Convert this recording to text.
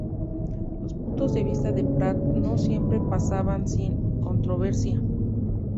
Los puntos de vista de Pratt no siempre pasaban sin controversia.